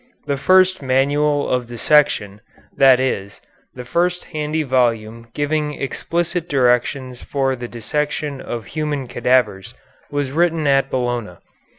The first manual of dissection, that is, the first handy volume giving explicit directions for the dissection of human cadavers, was written at Bologna.